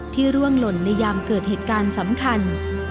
ร่วงหล่นในยามเกิดเหตุการณ์สำคัญ